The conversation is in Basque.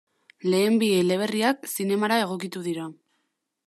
Lehen bi eleberriak zinemara egokitu dira.